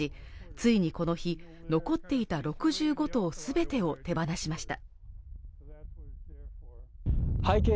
ついにこの日残っていた６５頭すべてを手放しました